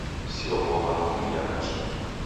Siboagha kungia machinyi